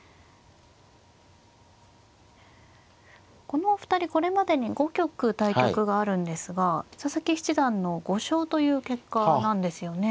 このお二人これまでに５局対局があるんですが佐々木七段の５勝という結果なんですよね。